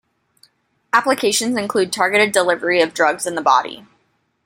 Applications include targeted delivery of drugs in the body.